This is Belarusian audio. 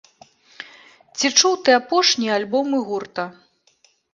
Ці чуў ты апошнія альбомы гурта?